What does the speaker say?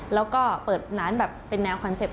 แล้วก็เปิดร้านแบบเป็นแนวคอนเซ็ปต